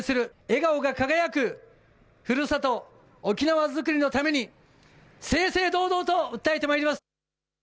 笑顔が輝くふるさと沖縄づくりのために正々堂々と訴えてまいります。